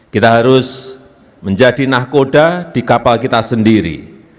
kita harus menjadi nahkoda di kapal kita sendiri